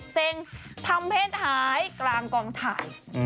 เซ็งทำเพศหายกลางกองถ่าย